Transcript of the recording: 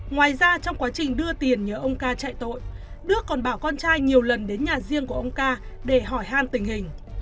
ngoài ra trong quá trình đưa tiền nhớ ông ca chạy tội đức còn bảo con trai nhiều lần đến nhà riêng của ông ca để hỏi hàn tình hình